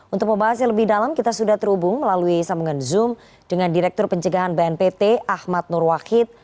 untuk membahas yang lebih dalam kita sudah terhubung melalui sambungan zoom dengan direktur pencegahan bnpt ahmad nur wahid